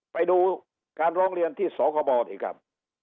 ไปดูการร้องเรียนที่สคบสิครับ